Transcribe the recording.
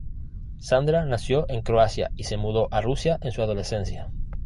Sandra nació en Croacia y se mudó a Rusia en su adolescencia.